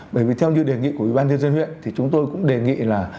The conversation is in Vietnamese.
bởi vì theo như đề nghị của ủy ban nhân dân huyện thì chúng tôi cũng đề nghị là